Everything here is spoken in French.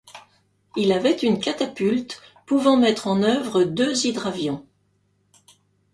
Il avait une catapulte pouvant mettre en œuvre deux hydravions.